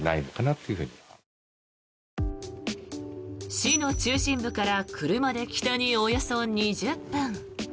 市の中心部から車で北におよそ２０分。